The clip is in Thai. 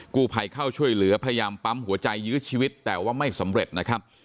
กู้ภัยเข้าช่วยเหลือพยายามปั๊มหัวใจยื้อชีวิตแต่ว่าไม่สำเร็จนะครับ